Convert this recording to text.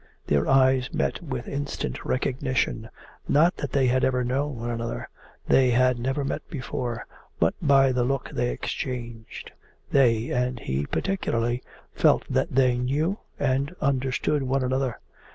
Their eyes met with instant recognition: not that they had ever known one another, they had never met before, but by the look they exchanged they and he particularly felt that they knew and understood one another.